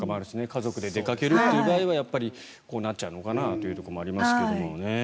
家族で出かける場合はやっぱりこうなっちゃうのかなというところもありますけどね。